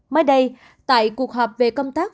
mai đây tại cuộc họp về công tác